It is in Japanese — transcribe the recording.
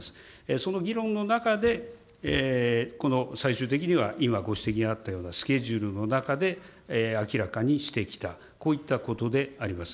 その議論の中でこの最終的には今ご指摘のあったようなスケジュールの中で明らかにしてきた、こういったことであります。